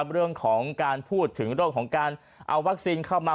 เรื่องของการพูดถึงเรื่องของการเอาวัคซีนเข้ามา